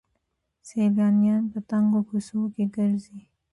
سیلانیان په تنګو کوڅو کې ګرځي.